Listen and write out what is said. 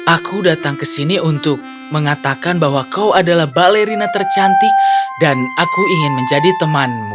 aku datang ke sini untuk mengatakan bahwa kau adalah balerina tercantik dan aku ingin menjadi temanmu